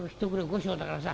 後生だからさ。